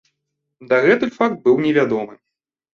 Дагэтуль факт быў невядомы.